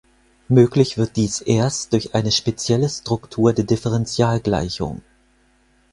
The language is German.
Möglich wird dies erst durch eine spezielle Struktur der Differentialgleichung.